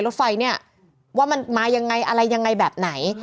รถไฟเนี่ยว่ามันมายังไงอะไรยังไงแบบไหน